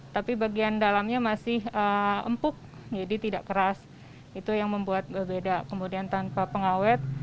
tapi bagian dalamnya masih empuk jadi tidak keras itu yang membuat berbeda kemudian tanpa pengawet